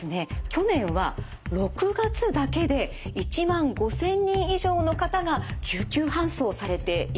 去年は６月だけで１万５，０００人以上の方が救急搬送されているんです。